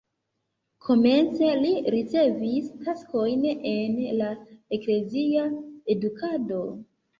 Komence li ricevis taskojn en la eklezia edukado.